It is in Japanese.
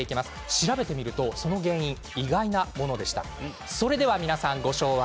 調べてみると、その原因は意外なものでした。